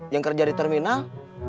yang kerja di terminal